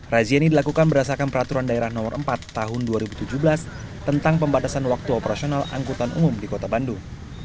razia ini dilakukan berdasarkan peraturan daerah nomor empat tahun dua ribu tujuh belas tentang pembatasan waktu operasional angkutan umum di kota bandung